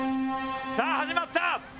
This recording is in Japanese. さあ始まった。